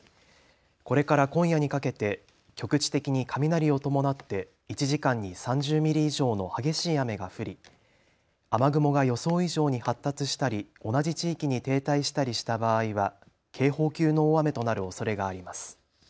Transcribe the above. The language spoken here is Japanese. これから今夜にかけて局地的に雷を伴って１時間に３０ミリ以上の激しい雨が降り雨雲が予想以上に発達したり同じ地域に停滞したりした場合は警報級の大雨となるおそれがあります。